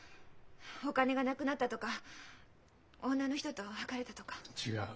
お金がなくなったとか女の人と別れたとか。